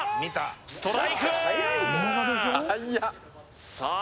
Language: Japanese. ストライクさあ